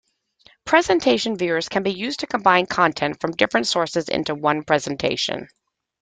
Presentation viewers can be used to combine content from different sources into one presentation.